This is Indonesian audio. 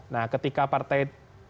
nah ketika partai